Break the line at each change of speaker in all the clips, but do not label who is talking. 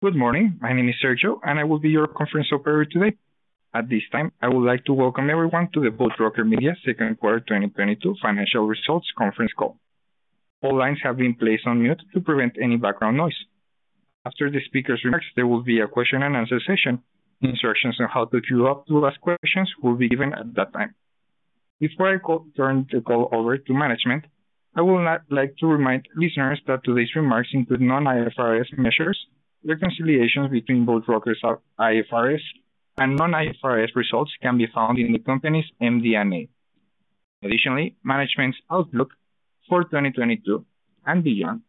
Good morning. My name is Sergio, and I will be your conference operator today. At this time, I would like to welcome everyone to the Boat Rocker Media second quarter 2022 financial results conference call. All lines have been placed on mute to prevent any background noise. After the speaker's remarks, there will be a question-and-answer session. Instructions on how to queue up to ask questions will be given at that time. Before I turn the call over to management, I would now like to remind listeners that today's remarks include non-IFRS measures. Reconciliations between Boat Rocker's IFRS and non-IFRS results can be found in the company's MD&A. Additionally, management's outlook for 2022 and beyond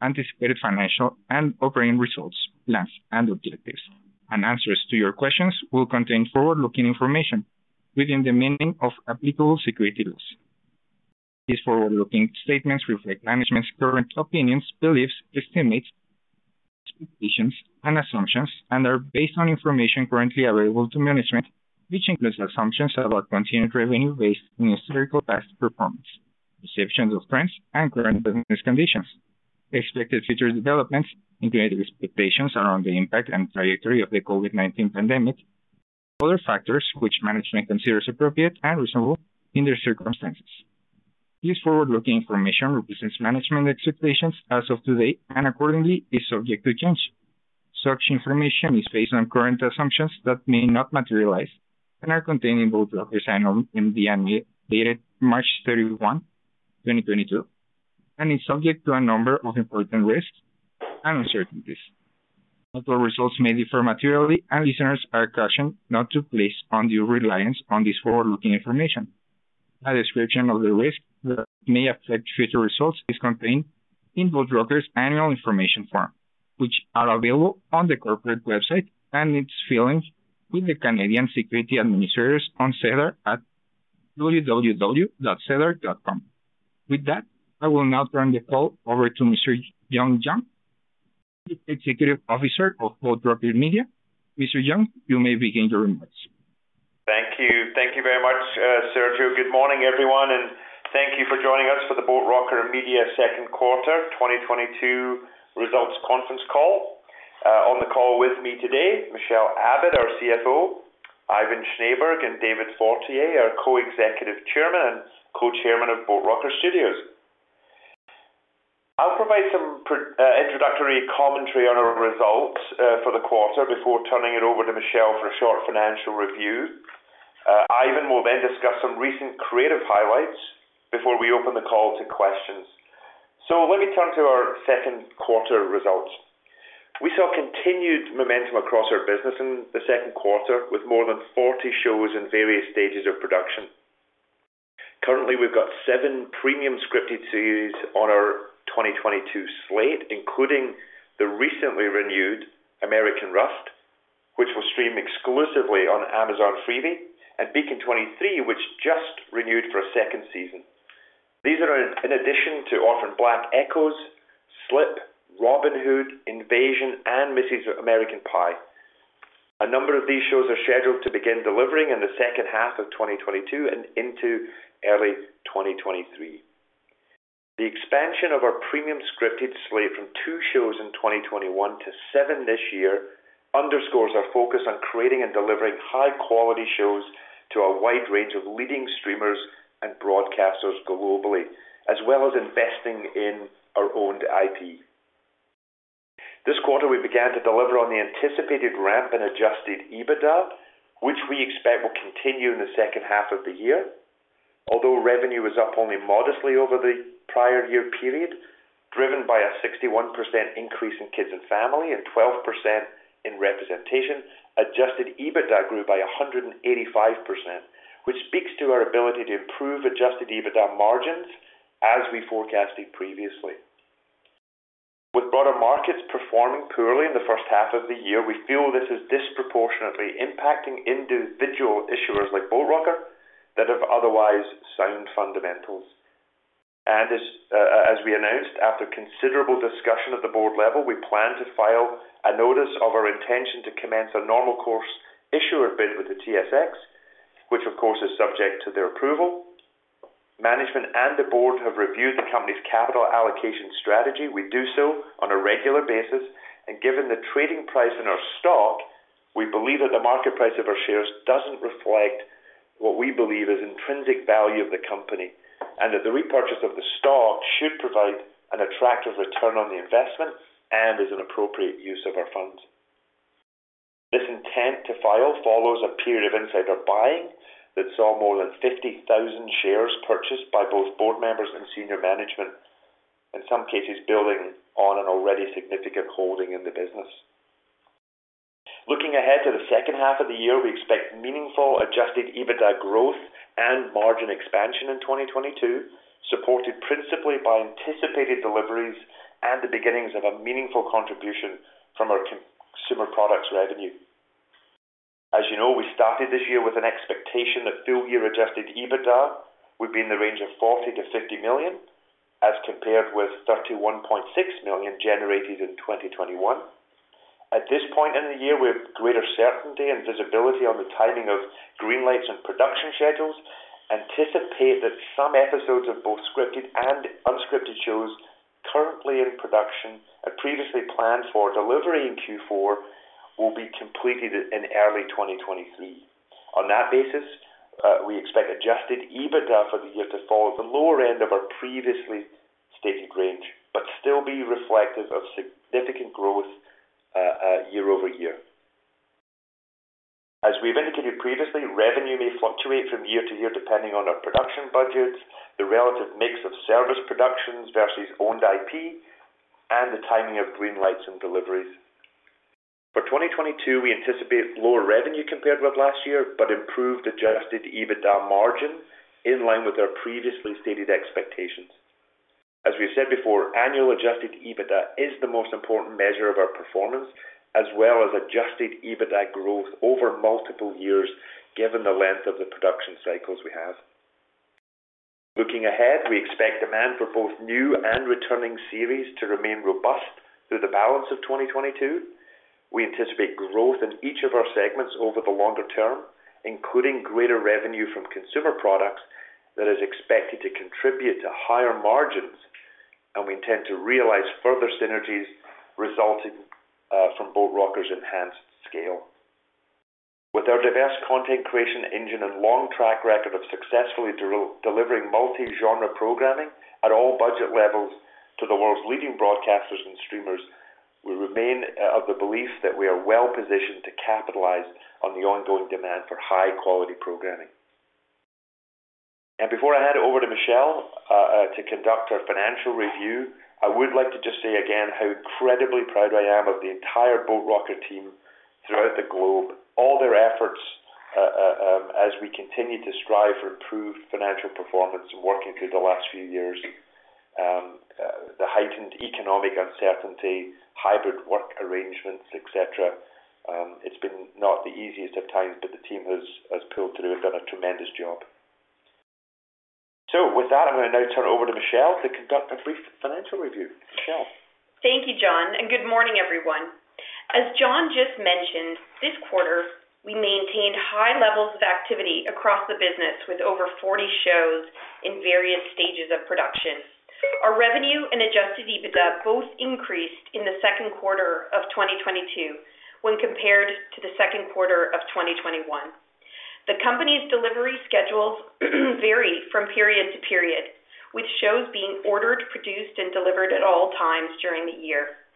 anticipated financial and operating results, plans and objectives and answers to your questions will contain forward-looking information within the meaning of applicable security laws. These forward-looking statements reflect management's current opinions, beliefs, estimates, expectations, and assumptions and are based on information currently available to management, which includes assumptions about continued revenue based on historical past performance, perceptions of trends and current business conditions, expected future developments, including expectations around the impact and trajectory of the COVID-19 pandemic, other factors which management considers appropriate and reasonable under circumstances. This forward-looking information represents management expectations as of today and accordingly is subject to change. Such information is based on current assumptions that may not materialize and are contained in Boat Rocker's annual MD&A dated March 31, 2022, and is subject to a number of important risks and uncertainties. Actual results may differ materially, and listeners are cautioned not to place undue reliance on this forward-looking information. A description of the risks that may affect future results is contained in Boat Rocker's Annual Information Form, which are available on the corporate website and its filings with the Canadian Securities Administrators on SEDAR at www.sedar.com. With that, I will now turn the call over to Mr. John Young, Chief Executive Officer of Boat Rocker Media. Mr. Young, you may begin your remarks.
Thank you. Thank you very much, Sergio. Good morning, everyone, and thank you for joining us for the Boat Rocker Media second quarter 2022 results conference call. On the call with me today, Michelle Abbott, our CFO, Ivan Schneeberg and David Fortier, our Co-Executive Chairman and Co-Chairman of Boat Rocker Studios. I'll provide some introductory commentary on our results for the quarter before turning it over to Michelle for a short financial review. Ivan will then discuss some recent creative highlights before we open the call to questions. Let me turn to our second quarter results. We saw continued momentum across our business in the second quarter, with more than 40 shows in various stages of production. Currently, we've got seven premium scripted series on our 2022 slate, including the recently renewed American Rust, which will stream exclusively on Amazon Freevee, and Beacon 23, which just renewed for a second season. These are in addition to Orphan Black: Echoes, Slip, Robyn Hood, Invasion and Mrs. American Pie. A number of these shows are scheduled to begin delivering in the second half of 2022 and into early 2023. The expansion of our premium scripted slate from two shows in 2021 to seven this year underscores our focus on creating and delivering high-quality shows to a wide range of leading streamers and broadcasters globally, as well as investing in our owned IP. This quarter, we began to deliver on the anticipated ramp in adjusted EBITDA, which we expect will continue in the second half of the year. Although revenue was up only modestly over the prior year period, driven by a 61% increase in kids and family and 12% in representation, adjusted EBITDA grew by 185%, which speaks to our ability to improve adjusted EBITDA margins as we forecasted previously. With broader markets performing poorly in the first half of the year, we feel this is disproportionately impacting individual issuers like Boat Rocker that have otherwise sound fundamentals. As we announced, after considerable discussion at the board level, we plan to file a notice of our intention to commence a normal course issuer bid with the TSX, which of course is subject to their approval. Management and the board have reviewed the company's capital allocation strategy. We do so on a regular basis, and given the trading price in our stock, we believe that the market price of our shares doesn't reflect what we believe is intrinsic value of the company, and that the repurchase of the stock should provide an attractive return on the investment and is an appropriate use of our funds. This intent to file follows a period of insider buying that saw more than 50,000 shares purchased by both board members and senior management, in some cases building on an already significant holding in the business. Looking ahead to the second half of the year, we expect meaningful adjusted EBITDA growth and margin expansion in 2022, supported principally by anticipated deliveries and the beginnings of a meaningful contribution from our consumer products revenue. As you know, we started this year with an expectation that full-year adjusted EBITDA would be in the range of $40 million-50 million as compared with $31.6 million generated in 2021. At this point in the year, we have greater certainty and visibility on the timing of greenlights and production schedules, anticipate that some episodes of both scripted and unscripted shows currently in production and previously planned for delivery in Q4 will be completed in early 2023. On that basis, we expect adjusted EBITDA for the year to fall at the lower end of our previously stated range, but still be reflective of significant growth year-over-year. As we've indicated previously, revenue may fluctuate from year to year depending on our production budgets, the relative mix of service productions versus owned IP, and the timing of green lights and deliveries. For 2022, we anticipate lower revenue compared with last year, but improved adjusted EBITDA margin in line with our previously stated expectations. As we've said before, annual adjusted EBITDA is the most important measure of our performance as well as adjusted EBITDA growth over multiple years, given the length of the production cycles we have. Looking ahead, we expect demand for both new and returning series to remain robust through the balance of 2022. We anticipate growth in each of our segments over the longer term, including greater revenue from consumer products that is expected to contribute to higher margins, and we intend to realize further synergies resulting from Boat Rocker's enhanced scale. With our diverse content creation engine and long track record of successfully delivering multi-genre programming at all budget levels to the world's leading broadcasters and streamers, we remain of the belief that we are well-positioned to capitalize on the ongoing demand for high-quality programming. Before I hand it over to Michelle to conduct our financial review, I would like to just say again how incredibly proud I am of the entire Boat Rocker team throughout the globe, all their efforts, as we continue to strive for improved financial performance and working through the last few years, the heightened economic uncertainty, hybrid work arrangements, et cetera. It's been not the easiest of times, but the team has pulled through and done a tremendous job. With that, I'm gonna now turn it over to Michelle to conduct a brief financial review. Michelle.
Thank you, John, and good morning, everyone. As John just mentioned, this quarter, we maintained high levels of activity across the business with over 40 shows in various stages of production. Our revenue and adjusted EBITDA both increased in the second quarter of 2022 when compared to the second quarter of 2021. The company's delivery schedules vary from period to period, with shows being ordered, produced, and delivered at all times during the year.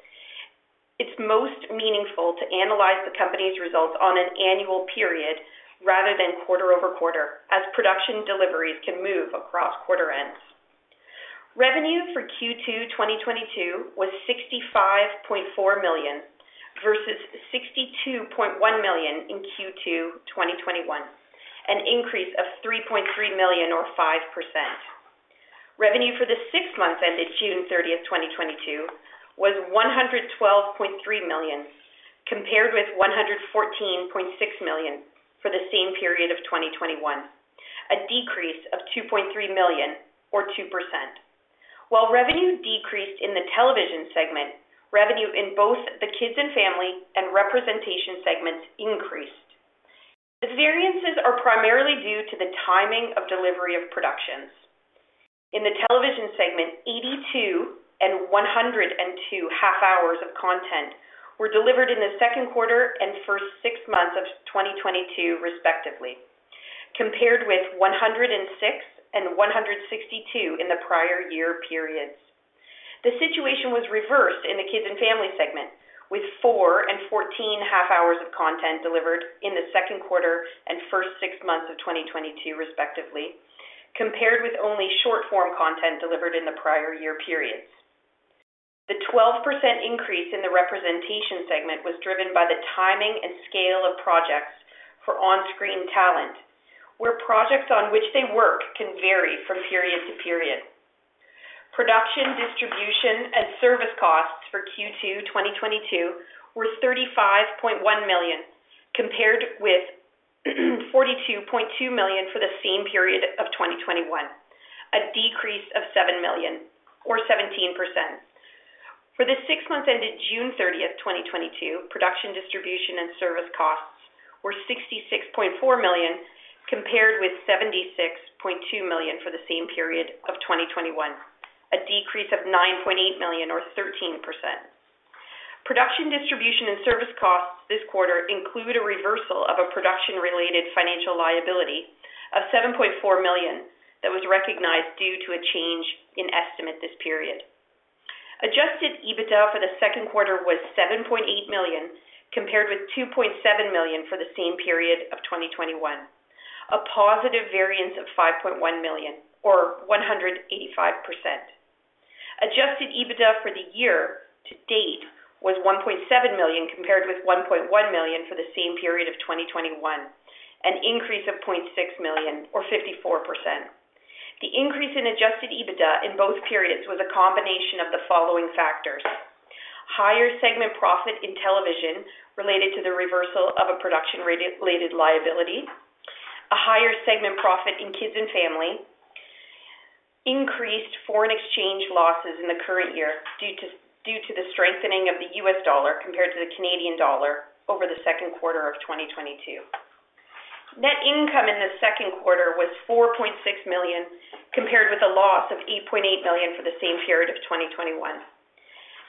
It's most meaningful to analyze the company's results on an annual period rather than quarter-over-quarter as production deliveries can move across quarter ends. Revenue for Q2 2022 was $65.4 million versus $62.1 million in Q2 2021, an increase of $3.3 million or 5%. Revenue for the six months ended June 30th, 2022 was $112.3 million, compared with $114.6 million for the same period of 2021, a decrease of $2.3 million or 2%. While revenue decreased in the television segment, revenue in both the kids and family and representation segments increased. The variances are primarily due to the timing of delivery of productions. In the television segment, 82 and 102 half-hours of content were delivered in the second quarter and first six months of 2022 respectively, compared with 106 and 162 in the prior year periods. The situation was reversed in the kids and family segment, with four and 14 half-hours of content delivered in the second quarter and first six months of 2022 respectively, compared with only short-form content delivered in the prior year periods. The 12% increase in the representation segment was driven by the timing and scale of projects for on-screen talent, where projects on which they work can vary from period to period. Production, distribution, and service costs for Q2 2022 were $35.1 million, compared with $42.2 million for the same period of 2021, a decrease of $7 million or 17%. For the six months ended June 30th, 2022, production, distribution, and service costs were $66.4 million, compared with $76.2 million for the same period of 2021, a decrease of $9.8 million or 13%. Production, distribution, and service costs this quarter include a reversal of a production-related financial liability of $7.4 million that was recognized due to a change in estimate this period. Adjusted EBITDA for the second quarter was $7.8 million, compared with $2.7 million for the same period of 2021, a positive variance of $5.1 million or 185%. Adjusted EBITDA for the year-to-date was $1.7 million compared with $1.1 million for the same period of 2021, an increase of $0.6 million or 54%. The increase in adjusted EBITDA in both periods was a combination of the following factors. Higher segment profit in television related to the reversal of a production-related liability, a higher segment profit in kids and family. Foreign exchange losses in the current year due to the strengthening of the U.S. dollar compared to the Canadian dollar over the second quarter of 2022. Net income in the second quarter was $4.6 million compared with a loss of $8.8 million for the same period of 2021.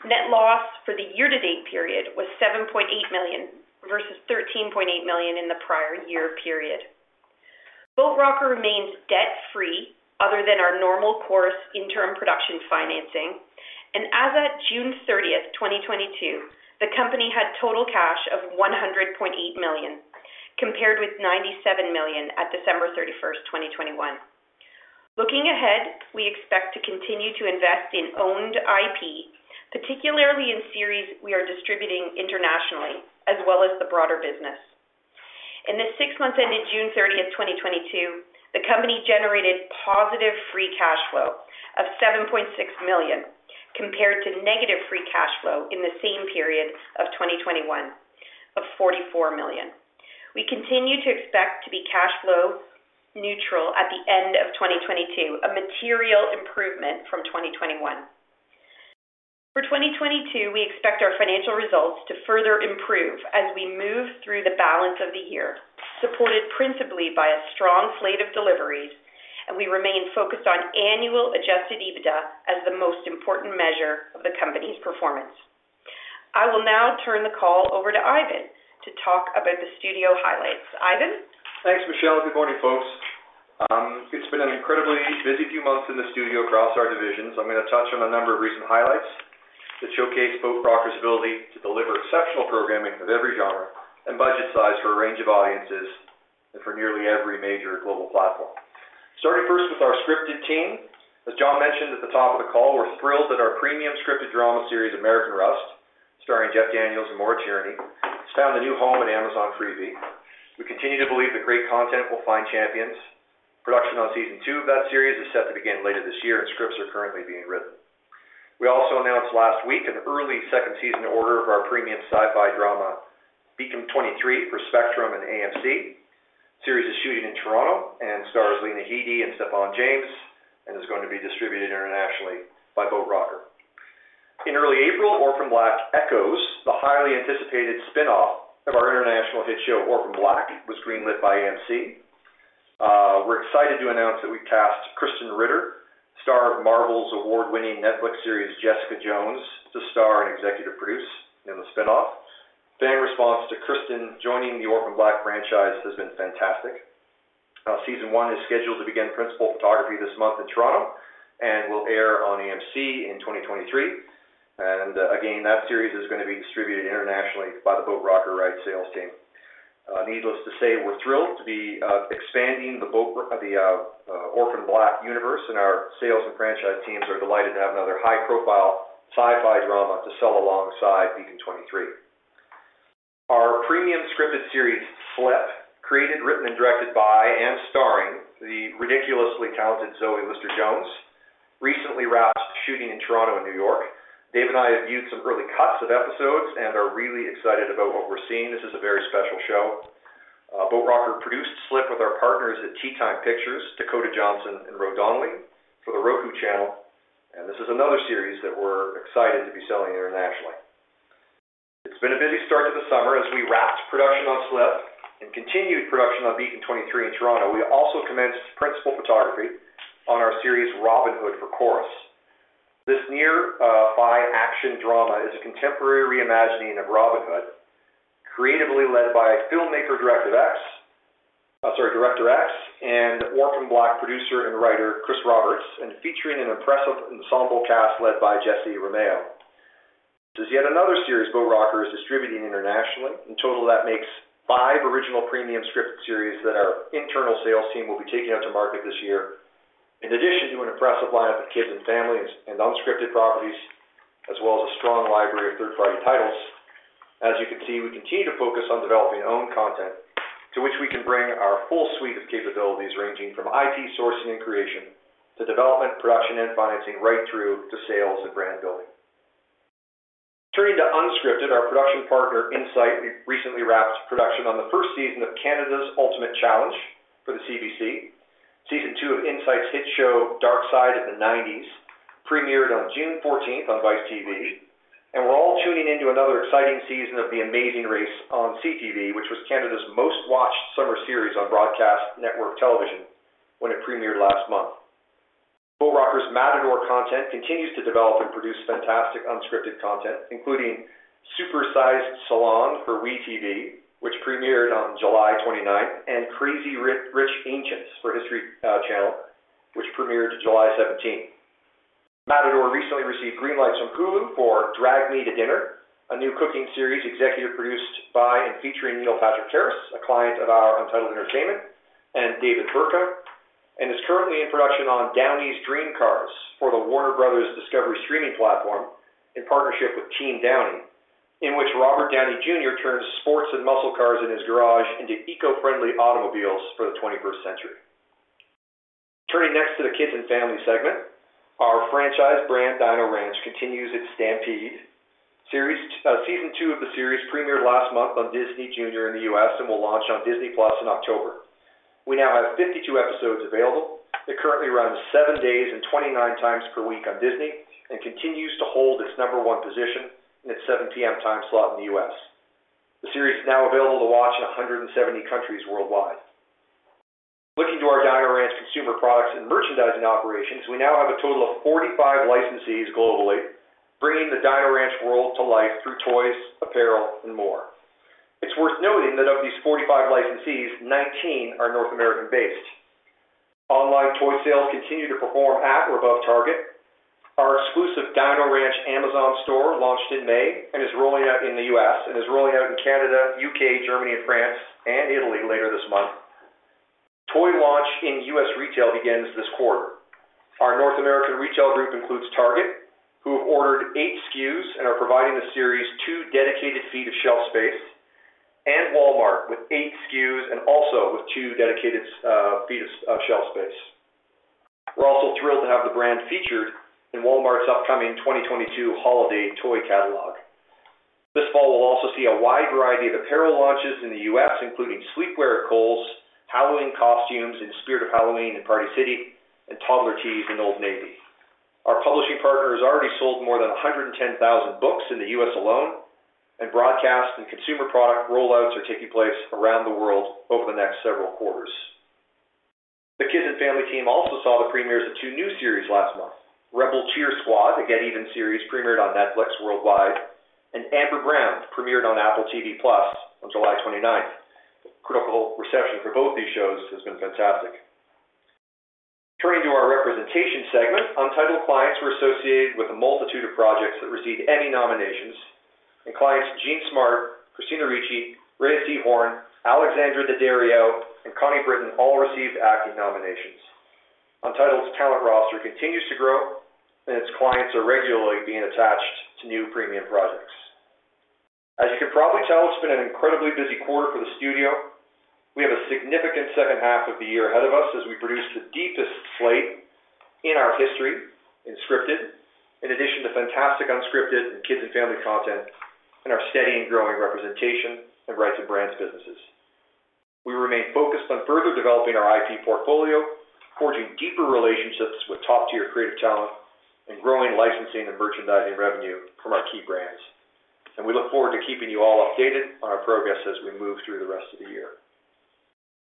Net loss for the year-to-date period was $7.8 million versus $13.8 million in the prior year period. Boat Rocker remains debt-free other than our normal course interim production financing. As of June 30th, 2022, the company had total cash of $100.8 million, compared with $97 million at December 31st, 2021. Looking ahead, we expect to continue to invest in owned IP, particularly in series we are distributing internationally as well as the broader business. In the six months ended June 30th, 2022, the company generated positive free cash flow of $7.6 million, compared to negative free cash flow in the same period of 2021 of $44 million. We continue to expect to be cash flow neutral at the end of 2022, a material improvement from 2021. For 2022, we expect our financial results to further improve as we move through the balance of the year, supported principally by a strong slate of deliveries, and we remain focused on annual adjusted EBITDA as the most important measure of the company's performance. I will now turn the call over to Ivan to talk about the studio highlights. Ivan?
Thanks, Michelle. Good morning, folks. It's been an incredibly busy few months in the studio across our divisions. I'm going to touch on a number of recent highlights to showcase Boat Rocker's ability to deliver exceptional programming of every genre and budget size for a range of audiences and for nearly every major global platform. Starting first with our scripted team. As John mentioned at the top of the call, we're thrilled that our premium scripted drama series, American Rust, starring Jeff Daniels and Maura Tierney, has found a new home at Amazon Freevee. We continue to believe that great content will find champions. Production on season two of that series is set to begin later this year, and scripts are currently being written. We also announced last week an early second season order of our premium sci-fi drama, Beacon 23 for Spectrum and AMC. Series is shooting in Toronto and stars Lena Headey and Stephan James and is going to be distributed internationally by Boat Rocker. In early April, Orphan Black: Echoes, the highly anticipated spin-off of our international hit show Orphan Black, was green-lit by AMC. We're excited to announce that we cast Krysten Ritter, star of Marvel's award-winning Netflix series, Jessica Jones, to star and executive produce in the spin-off. Fan response to Krysten joining the Orphan Black franchise has been fantastic. Season one is scheduled to begin principal photography this month in Toronto and will air on AMC in 2023. Again, that series is going to be distributed internationally by the Boat Rocker Rights sales team. Needless to say, we're thrilled to be expanding the Orphan Black universe, and our sales and franchise teams are delighted to have another high-profile sci-fi drama to sell alongside Beacon 23. Our premium scripted series, Slip, created, written, and directed by and starring the ridiculously talented Zoe Lister-Jones, recently wrapped shooting in Toronto and New York. Dave and I have viewed some early cuts of episodes and are really excited about what we're seeing. This is a very special show. Boat Rocker produced Slip with our partners at TeaTime Pictures, Dakota Johnson, and Ro Donnelly for The Roku Channel. This is another series that we're excited to be selling internationally. It's been a busy start to the summer as we wrapped production on Slip and continued production on Beacon 23 in Toronto. We also commenced principal photography on our series Robyn Hood for Corus. This urban action drama is a contemporary reimagining of Robyn Hood, creatively led by filmmaker Director X and Orphan Black producer and writer, Chris Roberts, and featuring an impressive ensemble cast led by Jessye Romeo. This is yet another series Boat Rocker is distributing internationally. In total, that makes five original premium scripted series that our internal sales team will be taking out to market this year. In addition to an impressive lineup of kids and family and unscripted properties, as well as a strong library of third-party titles, as you can see, we continue to focus on developing owned content to which we can bring our full suite of capabilities, ranging from IP sourcing and creation to development, production, and financing right through to sales and brand building. Turning to unscripted, our production partner, Insight, we recently wrapped production on the first season of Canada's Ultimate Challenge for the CBC. Season two of Insight's hit show, Dark Side of the '90s, premiered on June 14th on Vice TV, and we're all tuning into another exciting season of The Amazing Race on CTV, which was Canada's most-watched summer series on broadcast network television when it premiered last month. Boat Rocker's Matador Content continues to develop and produce fantastic unscripted content, including Super Sized Salon for WE tv, which premiered on July 29th, and Crazy Rich Ancients for History Channel, which premiered July 17th. Matador recently received green lights from Hulu for Drag Me to Dinner, a new cooking series executive produced by and featuring Neil Patrick Harris, a client of our Untitled Entertainment, and David Burtka, and is currently in production on Downey's Dream Cars for the Warner Bros. Discovery streaming platform in partnership with Team Downey, in which Robert Downey Jr. turns sports and muscle cars in his garage into eco-friendly automobiles for the 21st century. Turning next to the kids and family segment, our franchise brand, Dino Ranch, continues its stampede. Season two of the series premiered last month on Disney Junior in the U.S. and will launch on Disney+ in October. We now have 52 episodes available. They currently run seven days and 29 times per week on Disney, and continues to hold its number one position in its 7:00 P.M. time slot in the U.S. The series is now available to watch in 170 countries worldwide. Looking to our Dino Ranch consumer products and merchandising operations, we now have a total of 45 licensees globally, bringing the Dino Ranch world to life through toys, apparel and more. It's worth noting that of these 45 licensees, 19 are North American-based. Online toy sales continue to perform at or above target. Our exclusive Dino Ranch Amazon store launched in May and is rolling out in the U.S., and is rolling out in Canada, U.K., Germany and France and Italy later this month. Toy launch in U.S. retail begins this quarter. Our North American retail group includes Target, who have ordered eight SKUs and are providing the series two dedicated feet of shelf space, and Walmart with eight SKUs and also with two dedicated feet of shelf space. We're also thrilled to have the brand featured in Walmart's upcoming 2022 holiday toy catalog. This fall, we'll also see a wide variety of apparel launches in the U.S., including sleepwear at Kohl's, Halloween costumes in Spirit Halloween and Party City, and toddler tees in Old Navy. Our publishing partner has already sold more than 110,000 books in the U.S. alone, and broadcast and consumer product rollouts are taking place around the world over the next several quarters. The Kids and Family team also saw the premieres of two new series last month. Rebel Cheer Squad, a Get Even series, premiered on Netflix worldwide, and Amber Brown premiered on Apple TV+ on July 29th. Critical reception for both these shows has been fantastic. Turning to our representation segment, Untitled clients were associated with a multitude of projects that received Emmy nominations, and clients Jean Smart, Christina Ricci, Rhea Seehorn, Alexandra Daddario and Connie Britton all received acting nominations. Untitled's talent roster continues to grow, and its clients are regularly being attached to new premium projects. As you can probably tell, it's been an incredibly busy quarter for the studio. We have a significant second half of the year ahead of us as we produce the deepest slate in our history in scripted, in addition to fantastic unscripted and kids and family content, and our steady and growing representation and rights and brands businesses. We remain focused on further developing our IP portfolio, forging deeper relationships with top-tier creative talent, and growing licensing and merchandising revenue from our key brands. We look forward to keeping you all updated on our progress as we move through the rest of the year.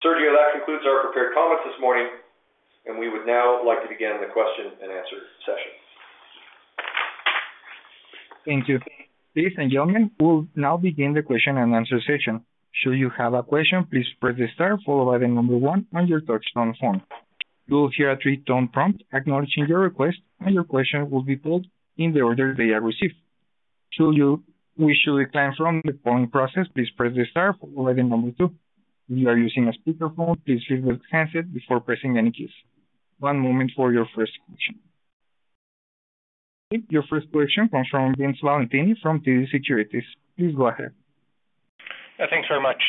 Sergio, that concludes our prepared comments this morning, and we would now like to begin the question and answer session.
Thank you. Ladies and gentlemen, we'll now begin the question and answer session. Should you have a question, please press star followed by the number one on your touchtone phone. You will hear a three-tone prompt acknowledging your request, and your question will be pulled in the order they are received. Should you wish to retire from the polling process, please press the star followed by the number two. If you are using a speakerphone, please pick up the handset before pressing any keys. One moment for your first question. Your first question comes from Vince Valentini from TD Securities. Please go ahead.
Thanks very much.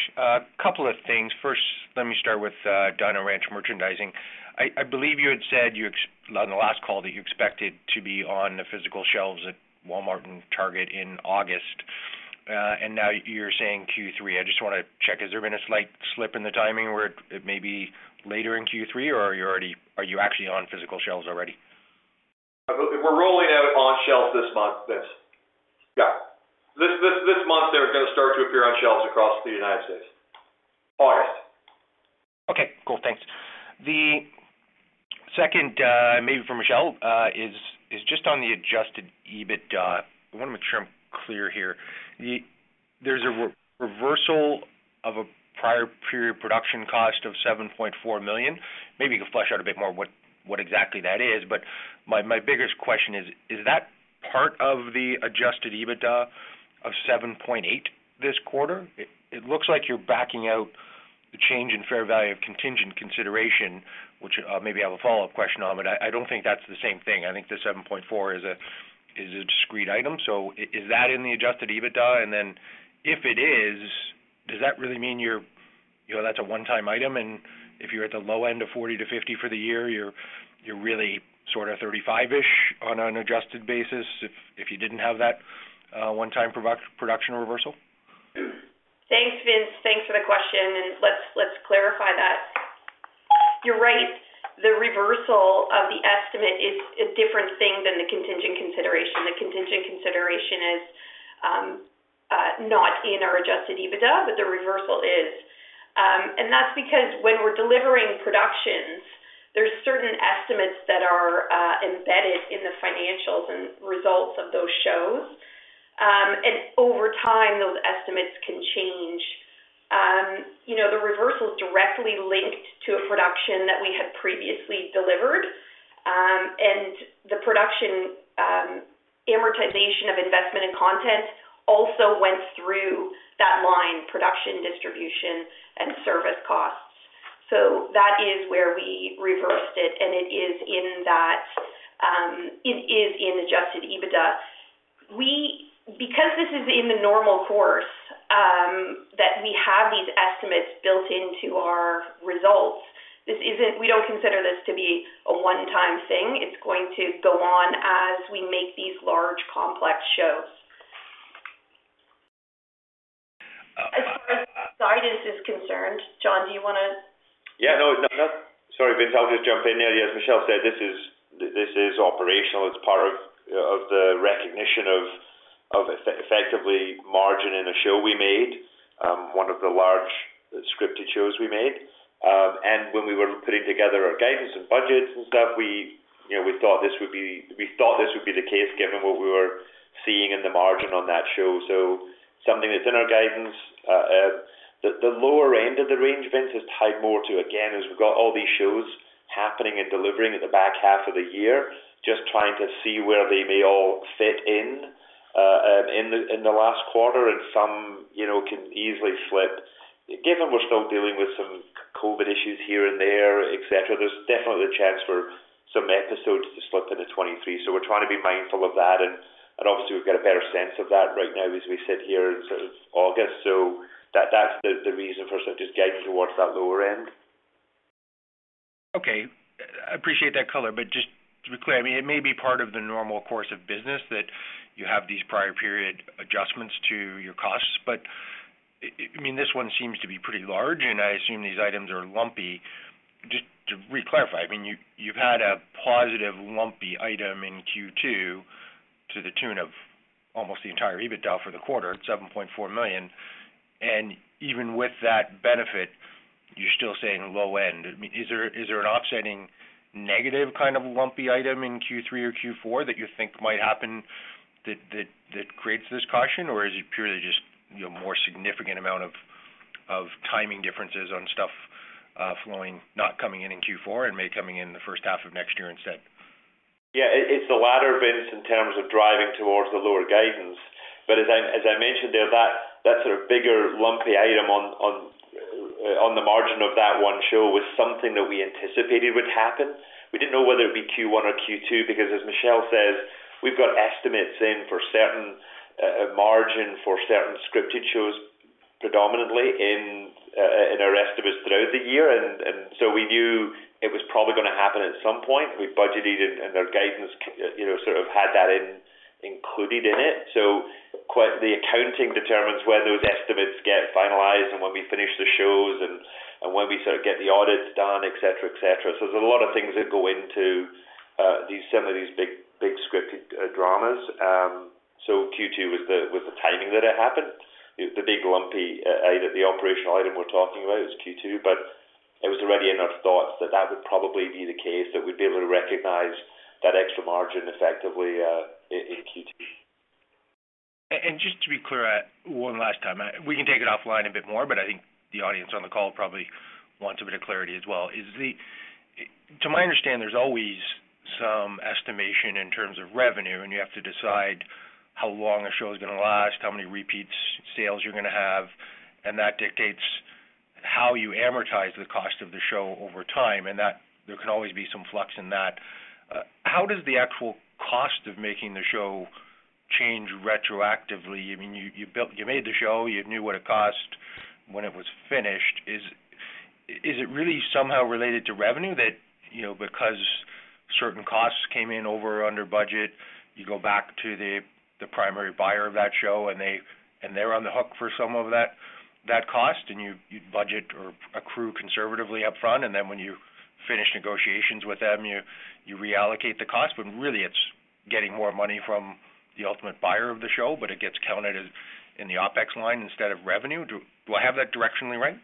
Couple of things. First, let me start with Dino Ranch merchandising. I believe you had said on the last call that you expected to be on the physical shelves at Walmart and Target in August, and now you're saying Q3. I just wanna check, has there been a slight slip in the timing where it may be later in Q3, or are you actually on physical shelves already?
We're rolling out on shelves this month, Vince. Yeah. This month, they're gonna start to appear on shelves across the United States. August.
Okay, cool. Thanks. The second, maybe for Michelle, is just on the adjusted EBITDA. I want to make sure I'm clear here. There's a reversal of a prior period production cost of $7.4 million. Maybe you can flesh out a bit more what exactly that is. But my biggest question is that part of the adjusted EBITDA of $7.8 this quarter? It looks like you're backing out the change in fair value of contingent consideration, which, maybe I have a follow-up question on, but I don't think that's the same thing. I think the seven point four is a discrete item. So is that in the adjusted EBITDA? If it is, does that really mean you're you know, that's a one-time item, and if you're at the low end of $40 million-$50 million for the year, you're really sort of $35-ish million on an adjusted basis if you didn't have that one-time production reversal?
Thanks, Vince. Thanks for the question, and let's clarify that. You're right. The reversal of the estimate is a different thing than the contingent consideration. The contingent consideration is not in our adjusted EBITDA, but the reversal is. That's because when we're delivering productions, there's certain estimates that are embedded in the financials and results of those shows. You know, the reversal is directly linked to a production that we had previously delivered. The production amortization of investment in content also went through that line, production, distribution, and service costs. So that is where we reversed it, and it is in that, it is in adjusted EBITDA. Because this is in the normal course that we have these estimates built into our results. We don't consider this to be a one-time thing. It's going to go on as we make these large complex shows. As far as guidance is concerned, John, do you wanna?
Sorry, Vince, I'll just jump in there. Yes, Michelle said, this is operational. It's part of the recognition of effectively margining a show we made, one of the large scripted shows we made. When we were putting together our guidance and budgets and stuff, you know, we thought this would be the case, given what we were seeing in the margin on that show. Something that's in our guidance. The lower end of the range, Vince, is tied more to, again, as we've got all these shows happening and delivering at the back half of the year, just trying to see where they may all fit in the last quarter, and some, you know, can easily slip. Given we're still dealing with some COVID issues here and there, et cetera, there's definitely a chance for some episodes to slip into 2023. We're trying to be mindful of that. Obviously we've got a better sense of that right now as we sit here in sort of August. That's the reason for sort of just guiding towards that lower end.
Okay. I appreciate that color, but just to be clear, I mean, it may be part of the normal course of business that you have these prior period adjustments to your costs. I mean, this one seems to be pretty large, and I assume these items are lumpy. Just to reclarify, I mean, you've had a positive lumpy item in Q2 to the tune of almost the entire EBITDA for the quarter, $7.4 million. Even with that benefit, you're still saying low end. I mean, is there an offsetting negative kind of lumpy item in Q3 or Q4 that you think might happen that creates this caution? Or is it purely just, you know, more significant amount of timing differences on stuff flowing, not coming in in Q4 and maybe coming in in the first half of next year instead?
Yeah. It's the latter, Vince, in terms of driving towards the lower guidance. As I mentioned there, that sort of bigger lumpy item on the margin of that one show was something that we anticipated would happen. We didn't know whether it would be Q1 or Q2 because as Michelle says, we've got estimates in for certain margin for certain scripted shows, predominantly in our estimates throughout the year. So we knew it was probably gonna happen at some point. We budgeted and their guidance, you know, sort of had that included in it. Quite the accounting determines whether those estimates get finalized and when we finish the shows and when we sort of get the audits done, et cetera. There's a lot of things that go into some of these big scripted dramas. Q2 was the timing that it happened. The big lumpy item, the operational item we're talking about was Q2, but it was already in our thoughts that that would probably be the case, that we'd be able to recognize that extra margin effectively in Q2.
Just to be clear, one last time, we can take it offline a bit more, but I think the audience on the call probably wants a bit of clarity as well. To my understanding, there's always some estimation in terms of revenue, and you have to decide how long a show is gonna last, how many repeat sales you're gonna have, and that dictates how you amortize the cost of the show over time, and that there can always be some flux in that. How does the actual cost of making the show change retroactively? I mean, you made the show, you knew what it cost when it was finished. Is it really somehow related to revenue that, you know, because certain costs came in over or under budget, you go back to the primary buyer of that show and they're on the hook for some of that cost, and you budget or accrue conservatively upfront, and then when you finish negotiations with them, you reallocate the cost. Really it's getting more money from the ultimate buyer of the show, but it gets counted as in the OpEx line instead of revenue. Do I have that directionally right?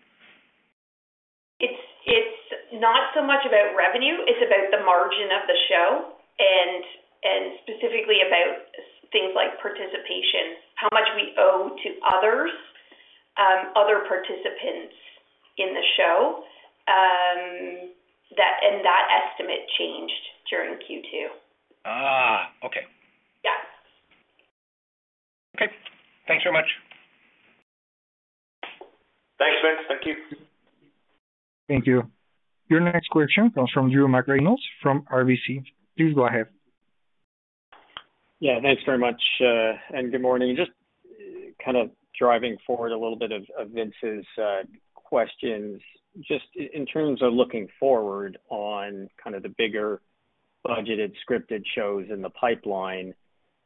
It's not so much about revenue, it's about the margin of the show and specifically about things like participation, how much we owe to others, other participants in the show. That estimate changed during Q2.
Okay.
Yeah.
Okay. Thanks very much.
Thanks, Vince. Thank you.
Thank you. Your next question comes from Drew McReynolds from RBC. Please go ahead.
Yeah, thanks very much and good morning. Just kind of driving forward a little bit of Vince's questions. Just in terms of looking forward on kind of the bigger budgeted scripted shows in the pipeline,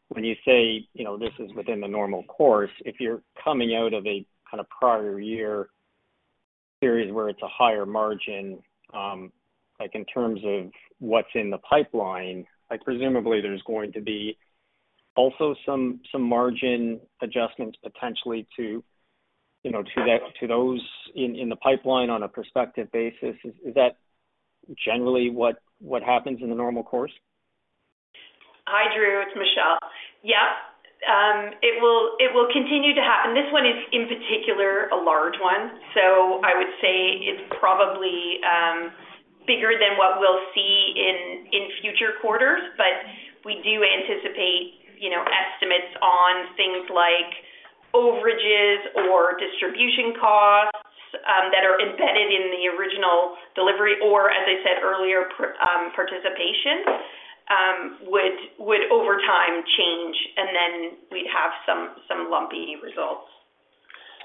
when you say, you know, this is within the normal course, if you're coming out of a kind of prior year period where it's a higher margin, like in terms of what's in the pipeline, like presumably there's going to be also some margin adjustments potentially to, you know, to that to those in the pipeline on a prospective basis. Is that generally what happens in the normal course?
Hi, Drew, it's Michelle. It will continue to happen. This one is, in particular, a large one. I would say it's probably bigger than what we'll see in future quarters. We do anticipate, you know, estimates on things like overages or distribution costs that are embedded in the original delivery or, as I said earlier, participation would over time change and then we'd have some lumpy results.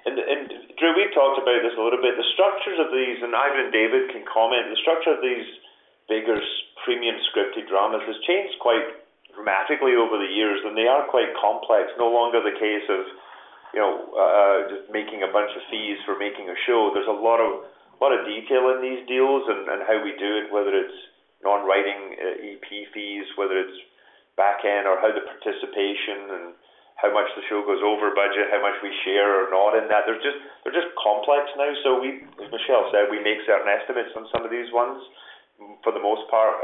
Drew, we've talked about this a little bit. The structures of these and Ivan and David can comment. The structure of these bigger premium scripted dramas has changed quite dramatically over the years, and they are quite complex. No longer the case of, you know, just making a bunch of fees for making a show. There's a lot of detail in these deals and how we do it, whether it's non-writing EP fees, whether it's back-end or how the participation and how much the show goes over budget, how much we share or not in that. They're just complex now. As Michelle said, we make certain estimates on some of these ones. For the most part,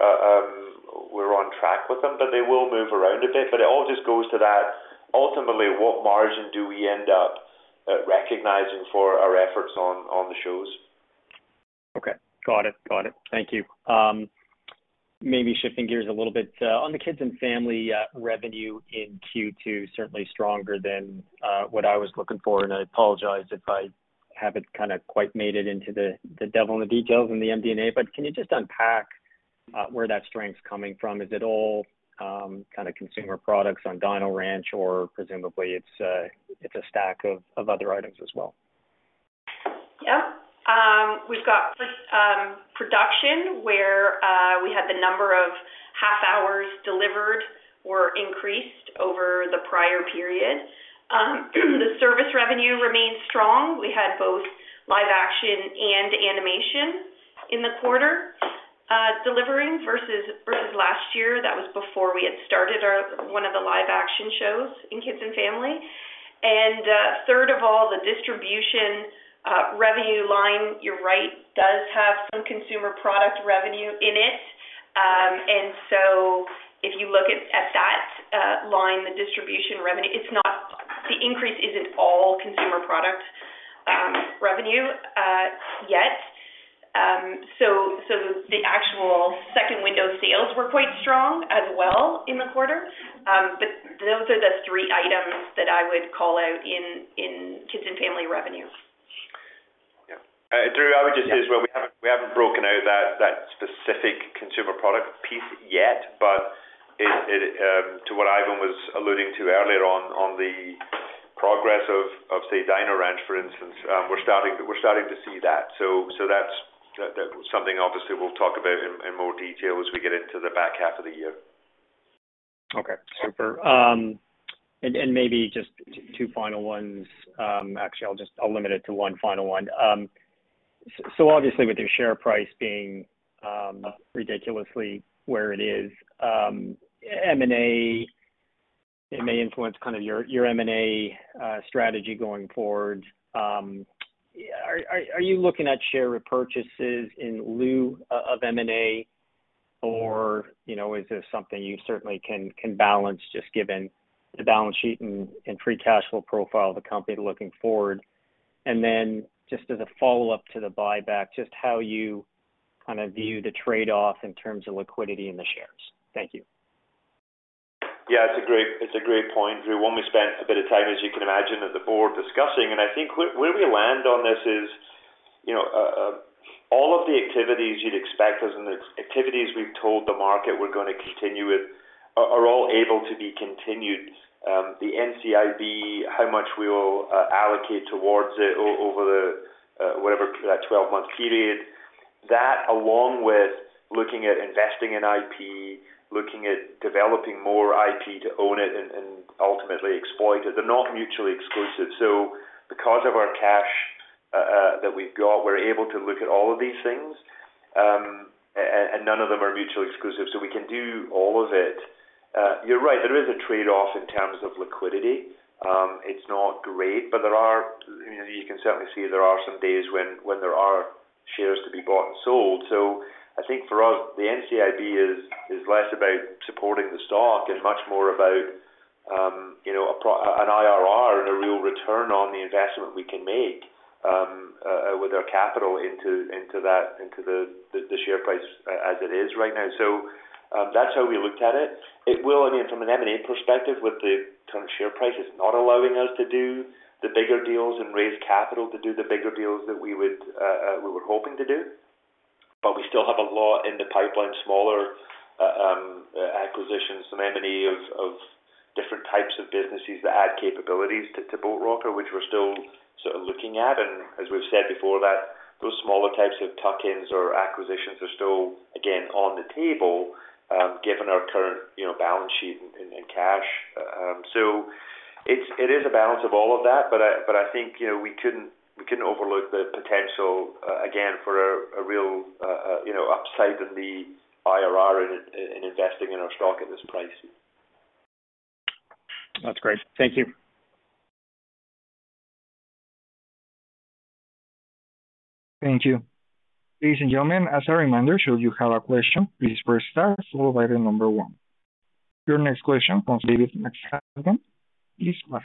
we're on track with them, but they will move around a bit. It all just goes to that ultimately, what margin do we end up recognizing for our efforts on the shows?
Okay. Got it. Thank you. Maybe shifting gears a little bit, on the kids and family revenue in Q2, certainly stronger than what I was looking for, and I apologize if I haven't kinda quite made it into the devil in the details in the MD&A, but can you just unpack where that strength's coming from? Is it all kinda consumer products on Dino Ranch, or presumably it's a stack of other items as well?
Yeah. We've got first, production where we had the number of half hours delivered or increased over the prior period. The service revenue remained strong. We had both live action and animation in the quarter, delivering versus last year. That was before we had started one of the live action shows in Kids and Family. Third of all, the distribution revenue line, you're right, does have some consumer product revenue in it. And so if you look at that line, the distribution revenue, it's not the increase isn't all consumer product revenue yet. So the actual second window sales were quite strong as well in the quarter. Those are the three items that I would call out in Kids and Family revenue.
Yeah. Drew, I would just say as well, we haven't broken out that specific consumer product piece yet, but to what Ivan was alluding to earlier on the progress of say Dino Ranch, for instance, we're starting to see that. That's something obviously we'll talk about in more detail as we get into the back half of the year.
Okay. Super. And maybe just two final ones. Actually, I'll limit it to one final one. Obviously with your share price being ridiculously where it is, M&A may influence kind of your M&A strategy going forward. Are you looking at share repurchases in lieu of M&A? You know, is this something you certainly can balance just given the balance sheet and free cash flow profile of the company looking forward? Just as a follow-up to the buyback, just how you kinda view the trade-off in terms of liquidity in the shares. Thank you.
Yeah. It's a great point, Drew. One we spent a bit of time, as you can imagine, at the board discussing. I think where we land on this is, you know, all of the activities you'd expect us and the activities we've told the market we're gonna continue with are all able to be continued. The NCIB, how much we will allocate towards it over the whatever that 12-month period. That along with looking at investing in IP, looking at developing more IP to own it and ultimately exploit it. They're not mutually exclusive. Because of our cash that we've got, we're able to look at all of these things, and none of them are mutually exclusive, so we can do all of it. You're right, there is a trade-off in terms of liquidity. It's not great, but there are, you know, you can certainly see there are some days when there are shares to be bought and sold. I think for us, the NCIB is less about supporting the stock and much more about, you know, an IRR and a real return on the investment we can make with our capital into that, into the share price as it is right now. That's how we looked at it. I mean, from an M&A perspective, the current share price is not allowing us to do the bigger deals and raise capital to do the bigger deals that we were hoping to do. We still have a lot in the pipeline, smaller acquisitions, some M&A of different types of businesses that add capabilities to Boat Rocker, which we're still sort of looking at. As we've said before, those smaller types of tuck-ins or acquisitions are still, again, on the table, given our current, you know, balance sheet and cash. It is a balance of all of that, but I think, you know, we couldn't overlook the potential again for a real upside in the IRR in investing in our stock at this price.
That's great. Thank you.
Thank you. Ladies and gentlemen, as a reminder, should you have a question, please press star followed by the number one. Your next question comes from David McFadgen from Cormark.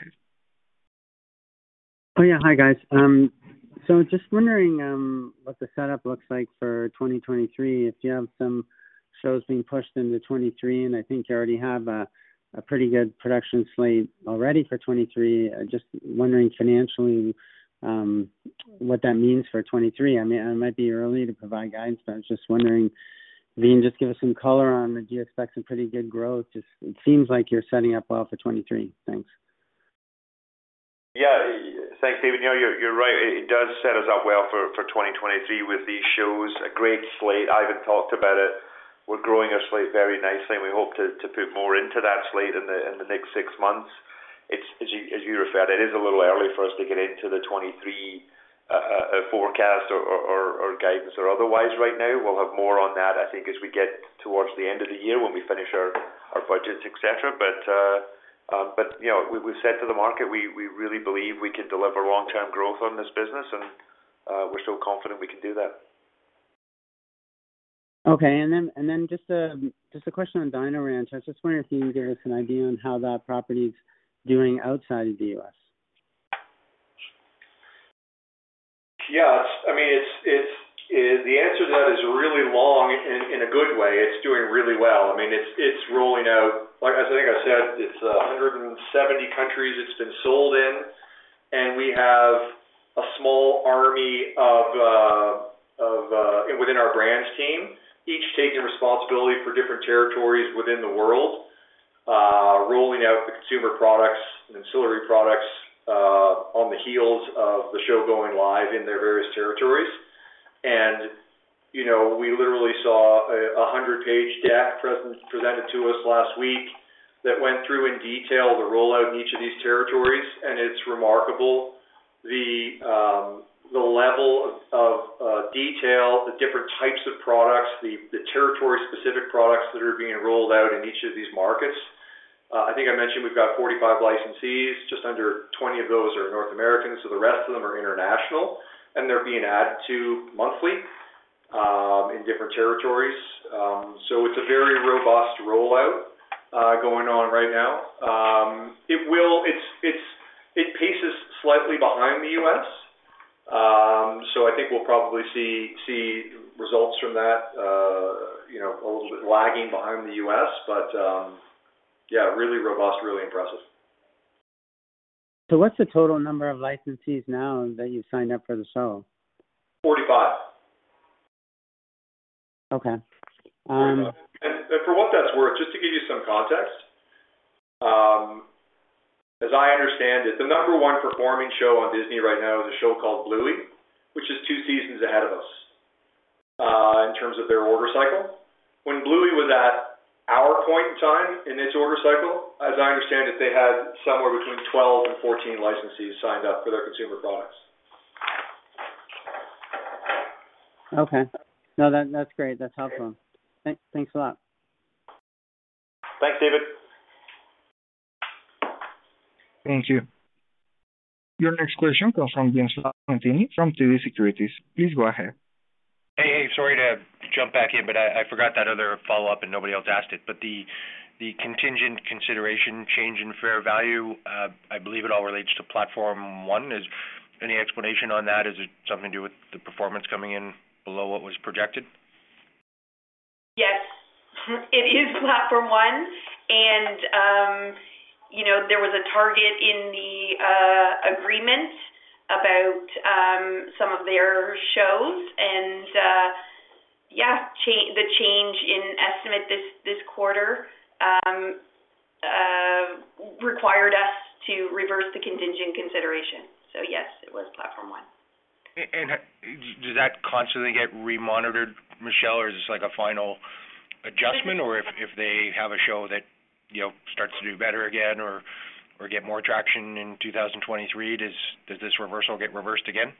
Oh, yeah. Hi, guys. So just wondering what the setup looks like for 2023, if you have some shows being pushed into 2023, and I think you already have a pretty good production slate already for 2023. I'm just wondering financially what that means for 2023. I mean, it might be early to provide guidance, but I was just wondering if you can just give us some color on whether you expect some pretty good growth. Just it seems like you're setting up well for 2023. Thanks.
Yeah. Thanks, David. Yeah, you're right. It does set us up well for 2023 with these shows. A great slate. Ivan talked about it. We're growing our slate very nicely, and we hope to put more into that slate in the next six months. It's as you referred, it is a little early for us to get into the 2023 forecast or guidance or otherwise right now. We'll have more on that, I think, as we get towards the end of the year when we finish our budgets, et cetera. you know, we've said to the market, we really believe we can deliver long-term growth on this business and we're still confident we can do that.
Okay. Just a question on Dino Ranch. I was just wondering if you can give us an idea on how that property is doing outside of the U.S.?
Yeah. I mean, it's the answer to that is really long in a good way. It's doing really well. I mean, it's rolling out. Like, as I think I said, it's 170 countries it's been sold in, and we have a small army of within our brands team, each taking responsibility for different territories within the world, rolling out the consumer products and ancillary products on the heels of the show going live in their various territories. You know, we literally saw a 100-page deck presented to us last week that went through in detail the rollout in each of these territories. It's remarkable. The level of detail, the different types of products, the territory-specific products that are being rolled out in each of these markets. I think I mentioned we've got 45 licensees. Just under 20 of those are North American, so the rest of them are international, and they're being added to monthly, in different territories. It's a very robust rollout going on right now. It paces slightly behind the U.S. I think we'll probably see results from that, you know, a little bit lagging behind the U.S. Yeah, really robust, really impressive.
What's the total number of licensees now that you've signed up for the show?
45.
Okay.
For what that's worth, just to give you some context, as I understand it, the number one performing show on Disney right now is a show called Bluey, which is two seasons ahead of us in terms of their order cycle. When Bluey was at our point in time in its order cycle, as I understand it, they had somewhere between 12 and 14 licensees signed up for their consumer products.
Okay. No, that's great. That's helpful. Thanks a lot.
Thanks, David.
Thank you. Your next question comes from Vince Valentini from TD Securities. Please go ahead.
Hey, hey. Sorry to jump back in, but I forgot that other follow-up, and nobody else asked it. The contingent consideration change in fair value, I believe it all relates to Platform One. Is any explanation on that? Is it something to do with the performance coming in below what was projected?
Yes. It is Platform One. You know, there was a target in the agreement about some of their shows, and yeah, the change in estimate this quarter required us to reverse the contingent consideration. Yes, it was Platform One.
Does that constantly get re-monitored, Michelle, or is this like a final adjustment? Or if they have a show that, you know, starts to do better again or get more traction in 2023, does this reversal get reversed again?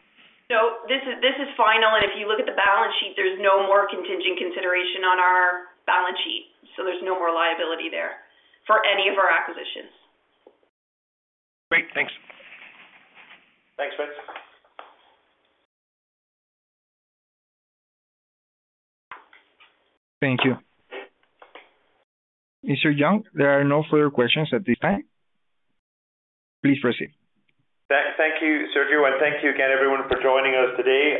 No. This is final. If you look at the balance sheet, there's no more contingent consideration on our balance sheet, so there's no more liability there for any of our acquisitions.
Great. Thanks.
Thanks, Vince.
Thank you. Mr. Young, there are no further questions at this time. Please proceed.
Thank you, Sergio, and thank you again everyone for joining us today.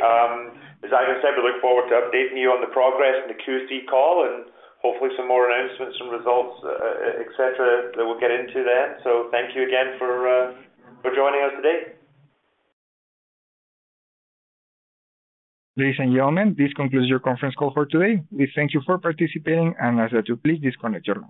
As Ivan said, we look forward to updating you on the progress in the Q3 call and hopefully some more announcements from results, et cetera, that we'll get into then. Thank you again for joining us today.
Ladies and gentlemen, this concludes your conference call for today. We thank you for participating, and ask that you please disconnect your lines.